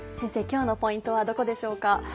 今日のポイントはどこでしょうか。